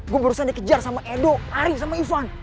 gue barusan dikejar sama edo ari sama ivan